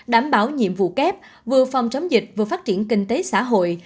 đảm bảo nhiệm vụ kép vừa phòng chống dịch vừa phát triển kinh tế xã hội